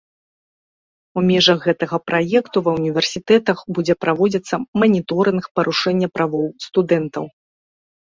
У межах гэтага праекту ва ўніверсітэтах будзе праводзіцца маніторынг парушэнняў правоў студэнтаў.